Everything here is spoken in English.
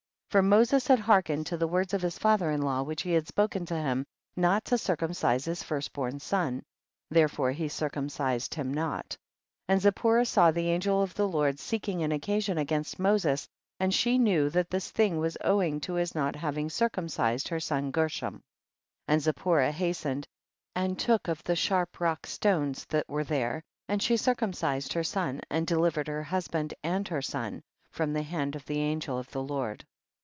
10. For Moses had hearkened to the words of his father in law wliich he had spoken to him, not to circum cise his first born son, therefore he circumcised him not. 1 1 . And Zipporah saw the angel of the Lord seeking an occasion against Moses, and she knew that this thing was owing to his not hav ing circumcised her son Gershom. 12. And Zipporah hastened and took of the sharp rock stones that were there, and she circumcised her son, and delivered her husband and her son from the hand of the angel of the Lord.